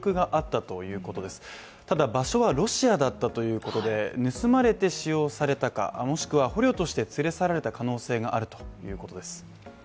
ただ場所はロシアだったということで、盗まれて使用されたかもしくは捕虜として連れ去られた可能性があるということです。